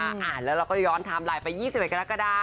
อ่านแล้วเราก็ย้อนไทม์ไลน์ไป๒๐เวตก็แล้วก็ได้